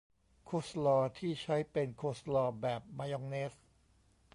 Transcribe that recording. โคลสลอว์ที่ใช้เป็นโคลสลอว์แบบมายองเนส